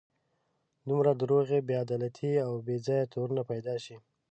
دومره دروغ، بې عدالتي او بې ځایه تورونه پیدا شي.